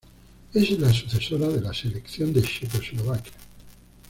Es la sucesora de la selección de Checoslovaquia.